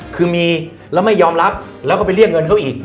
คือมีแล้วไม่ยอมรับแล้วก็ไปเรียกเงินเขาอีก